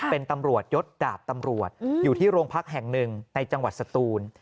เป็นตำรวจยศดาบตำรวจอยู่ที่โรงพักแห่งหนึ่งในจังหวัดสตูน